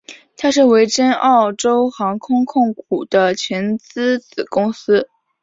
它是维珍澳洲航空控股的全资子公司。